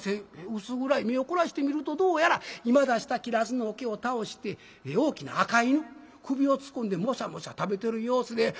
薄暗い目を凝らして見るとどうやら今出したきらずの桶を倒して大きな赤犬首を突っ込んでモシャモシャ食べてる様子で。